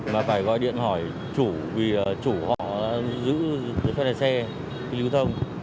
mà phải gọi điện hỏi chủ vì chủ họ giữ cho lái xe lưu thông